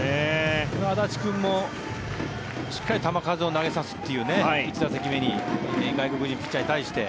安達君もしっかり球数を投げさせるという１打席目に外国人ピッチャーに対して。